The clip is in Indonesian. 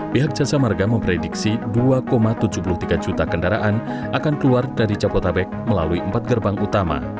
pihak jasa marga memprediksi dua tujuh puluh tiga juta kendaraan akan keluar dari jabodetabek melalui empat gerbang utama